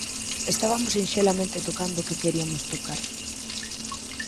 Estabamos sinxelamente tocando o que queríamos tocar.